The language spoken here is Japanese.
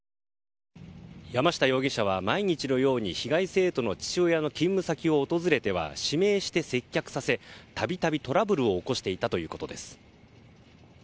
山下容疑者は毎日のように被害生徒の父親の勤務先を訪れては指名して接客させ度々トラブルを起こしていたということです。